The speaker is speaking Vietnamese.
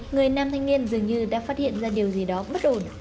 người nam thanh niên dường như đã phát hiện ra điều gì đó bất ổn